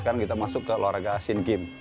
sekarang kita masuk ke luar raga sea games